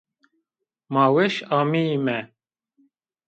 Ma weş ameyîme